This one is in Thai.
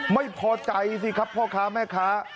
ไม่พอใจสิครับพ่อค้าแม่ค้า